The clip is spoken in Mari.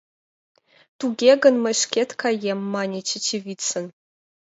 — Туге гын, мый шкет каем! — мане Чечевицын.